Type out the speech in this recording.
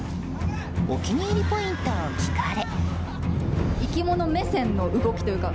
お気に入りポイントを聞かれ。